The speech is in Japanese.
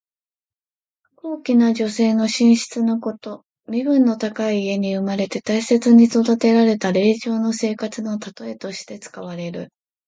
高貴な女性の寝室のこと。身分の高い家に生まれて大切に育てられた令嬢の生活のたとえとして使われる。